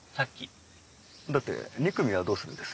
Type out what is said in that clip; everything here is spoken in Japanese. だって２組はどうするんです？